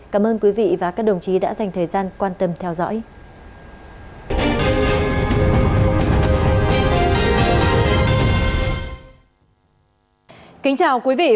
cảm ơn quý vị và các đồng chí đã dành thời gian quan tâm theo dõi